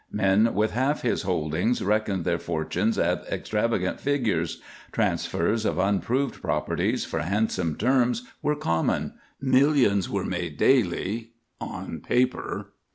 Men with half his holdings reckoned their fortunes at extravagant figures; transfers of unproved properties for handsome terms were common; millions were made daily, on paper.